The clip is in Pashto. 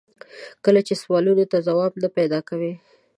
کله چې سوالونو ته ځواب نه پیدا کوي.